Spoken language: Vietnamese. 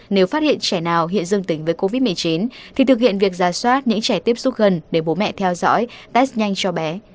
nếu phát hiện trẻ nào hiện dương tính với covid một mươi chín thì thực hiện việc giả soát những trẻ tiếp xúc gần để bố mẹ theo dõi test nhanh cho bé